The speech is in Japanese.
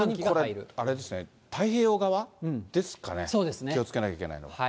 特にこれ、あれですね、太平洋側ですかね、気をつけなきゃいけないのは。